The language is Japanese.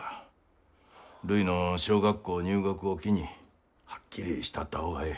るいの小学校入学を機にはっきりしたった方がええ。